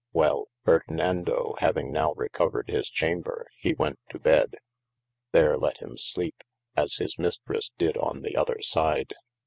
Well Ferdenando having now recovered his chamber he went to bede, there let him sleepe, as his mistrisse did on the otherside.